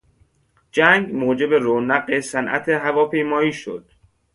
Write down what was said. جنگ موجب رونق صنعت هواپیمایی شد.